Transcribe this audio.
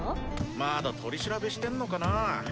まだ取り調べしてんのかな？